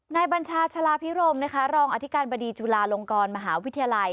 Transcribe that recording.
นายบัญชาชลาพิโรมรองอธิการบดีจุลาลงกรมหาวิทยาลัย